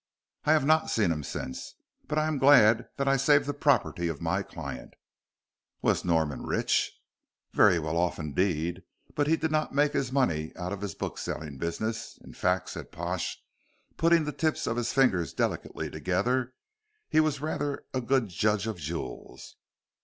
"I have not seen him since. But I am glad that I saved the property of my client." "Was Norman rich?" "Very well off indeed, but he did not make his money out of his book selling business. In fact," said Pash, putting the tips of his fingers delicately together, "he was rather a good judge of jewels."